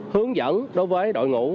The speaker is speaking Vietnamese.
hướng dẫn đối với đội ngũ